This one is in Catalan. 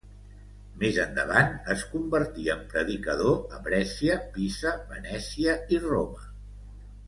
Més endavant es convertí en predicador a Brescia, Pisa, Venècia i Roma.